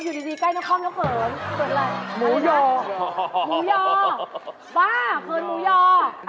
อยู่ดูดีใกล้น้องคอมแล้วเผิง